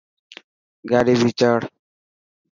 گاڏي ڀيچاڙ.